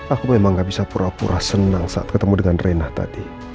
aku memang gak bisa pura pura senang saat ketemu dengan renah tadi